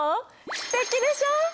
すてきでしょ？